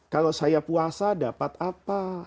kalau saya puasa dapat apa